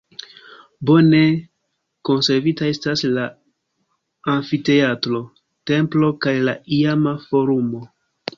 Bone konservita estas la amfiteatro, templo kaj la iama forumo.